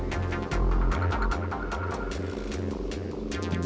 tengah desember dua ribu enam belas